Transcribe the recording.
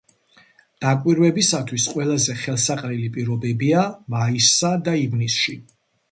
დაკვირვებისათვის ყველაზე ხელსაყრელი პირობებია მაისსა და ივნისში.